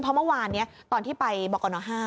เพราะเมื่อวานนี้ตอนที่ไปบกน๕